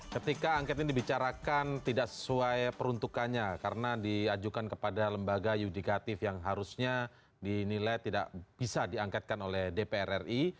ketika angket ini dibicarakan tidak sesuai peruntukannya karena diajukan kepada lembaga yudikatif yang harusnya dinilai tidak bisa diangketkan oleh dpr ri